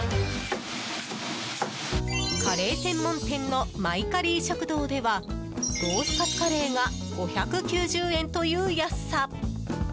カレー専門店のマイカリー食堂ではロースカツカレーが５９０円という安さ！